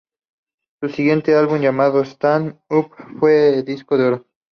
Su siguiente álbum llamado "Stand up" fue disco de oro.